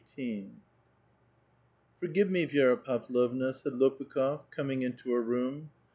*' Forgive me, Vi6ra Pavlovna," said Lopukh6f, coming into her room.